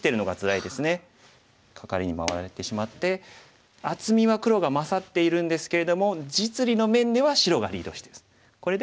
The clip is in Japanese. カカリに回られてしまって厚みは黒が勝っているんですけれども実利の面では白がリードしてるんです。